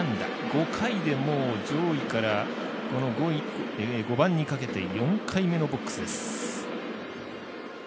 ５回で、もう上位から５番にかけて４回目のボックスです。